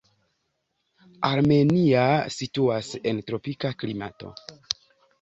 Armenia situas en tropika klimato.